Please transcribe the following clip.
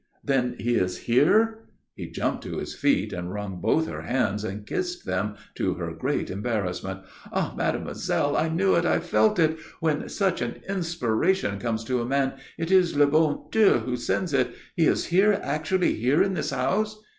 "Then he is here!" He jumped to his feet and wrung both her hands and kissed them to her great embarrassment. "Ah, mademoiselle, I knew it. I felt it. When such an inspiration comes to a man, it is the bon Dieu who sends it. He is here, actually here, in this house?"